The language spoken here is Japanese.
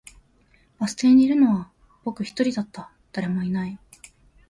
バス停にいるのは僕一人だった、誰もいない